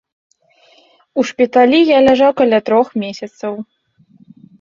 У шпіталі я ляжаў каля трох месяцаў.